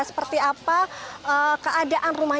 seperti apa keadaan perumahan